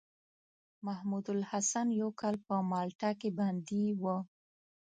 محمودالحسن يو کال په مالټا کې بندي وو.